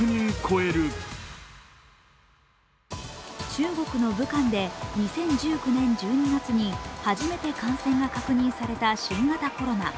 中国の武漢で２０１９年１２月に初めて感染が確認された新型コロナ。